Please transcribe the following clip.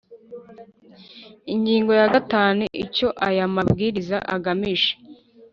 Ingingo ya gatanu Icyo aya mabwiriza agamije